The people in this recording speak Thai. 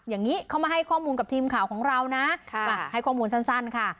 อย่างนี้เขามาให้ข้อมูลกับทีมข่าวของเรานะให้ข้อมูลสั้นค่ะ